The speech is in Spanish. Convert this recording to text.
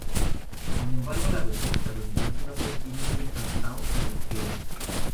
Sin embargo, la versión estadounidense no contiene "Safe and Sound" sino "Calling".